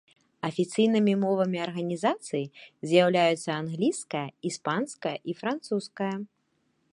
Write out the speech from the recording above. Афіцыйнымі мовамі арганізацыі з'яўляюцца англійская, іспанская і французская.